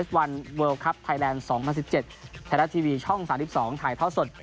แถวด้านทีวีช่อง๓๒ถ่ายเพราะสด